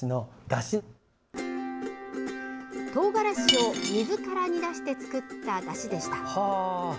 トウガラシを水から煮出して作っただしでした。